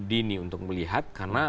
dini untuk melihat karena